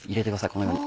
このように。